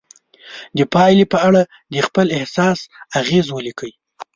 د پایلې په اړه د خپل احساس اغیز ولیکئ.